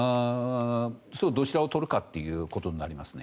どちらを取るかということになりますね。